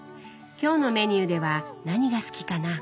今日のメニューでは何が好きかな？